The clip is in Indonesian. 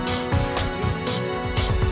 taruh di depan